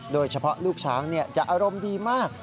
โดยเฉพาะลูกช้างจะอารมณ์ดีมาก